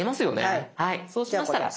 はいそうしましたら。